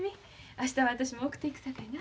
明日私も送っていくさかいな。